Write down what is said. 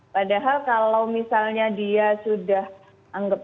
padahal kalau misalnya dia sudah anggap